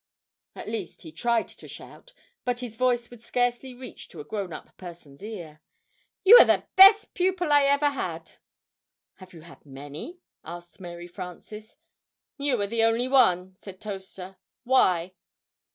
At least, he tried to shout, but his voice would scarcely reach to a grown up person's ear. "You are the best pupil I ever had!" "Have you had many?" asked Mary Frances. "You are the only one," said Toaster. "Why?"